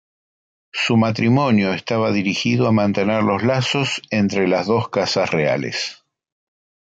Su matrimonio estaba dirigido a mantener los lazos entre las dos casas reales.